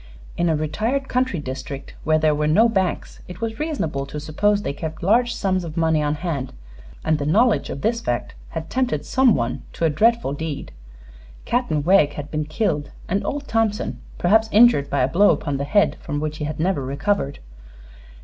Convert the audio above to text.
In a retired country district, where there were no banks, it was reasonable to suppose they kept large sums of money on hand, and the knowledge of this fact had tempted some one to a dreadful deed. Captain Wegg had been killed and old Thompson perhaps injured by a blow upon the head from which he had never recovered.